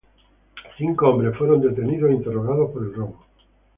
Cinco hombres fueron detenidos e interrogados por el robo.